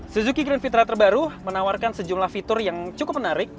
suzuki grand fitra terbaru menawarkan sejumlah fitur yang cukup menarik